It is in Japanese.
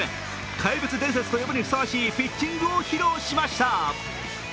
怪物伝説と呼ぶにふさわしいピッチングを披露しました。